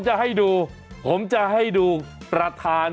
ใช้เมียได้ตลอด